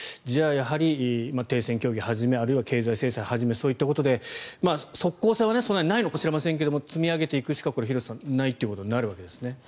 じゃあ、やはり停戦協議はじめあるいは経済制裁はじめそういったことで即効性はないのかもしれませんが積み上げていくしかないということになるわけですね。